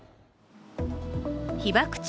被爆地